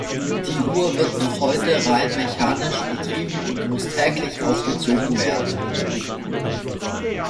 Die Uhr wird noch heute rein mechanisch betrieben und muss täglich aufgezogen werden.